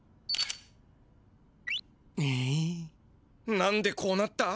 なんでこうなった？